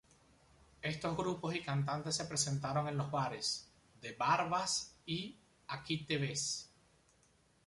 Estos grupos y cantantes se presentaron en los bares "D-Bar-Vas" y "Aquí Te Ves".